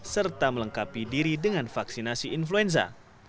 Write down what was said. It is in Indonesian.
serta melengkapi diri dengan vaksinasi influenza